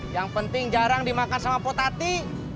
yang penting jarang dimakan sama potati